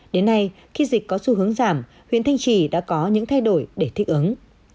đến nay khi dịch có xu hướng giảm huyện thanh trì đã có những thay đổi để thích ứng